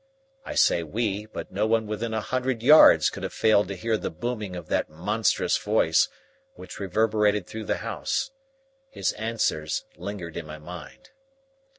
I say "we," but no one within a hundred yards could have failed to hear the booming of that monstrous voice, which reverberated through the house. His answers lingered in my mind.